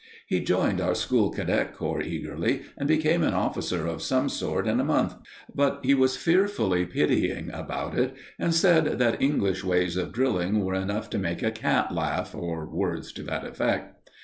He joined our school cadet corps eagerly, and became an officer of some sort in a month; but he was fearfully pitying about it, and said that English ways of drilling were enough to make a cat laugh, or words to that effect.